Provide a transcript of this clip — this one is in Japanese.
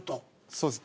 そうです。